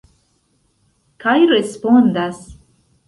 Kaj respondas.